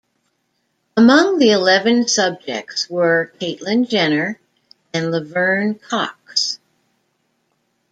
Among the eleven subjects were Caitlyn Jenner and Laverne Cox.